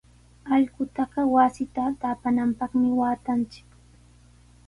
Allqutaqa wasita taapananpaqmi waatanchik.